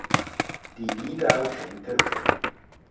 Die "Wiedau" kenterte.